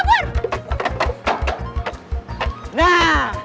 eh jangan kabur